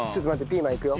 ピーマンいくよ。